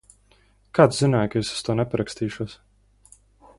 Kā tu zināji, ka es uz to neparakstīšos?